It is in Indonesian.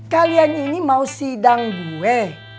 kalian ini mau sidang gue